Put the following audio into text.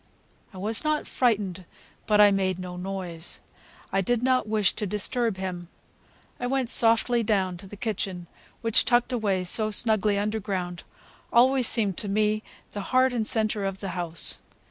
I was not frightened, but I made no noise. I did not wish to disturb him. I went softly down to the kitchen which, tucked away so snugly underground, always seemed to me the heart and center of the house.